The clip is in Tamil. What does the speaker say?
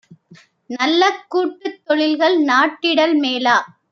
நல்லகூட் டுத்தொழில்கள் நாட்டிடல் மேலா?